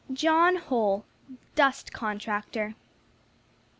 JOHN HOLL, DUST CONTRACTOR.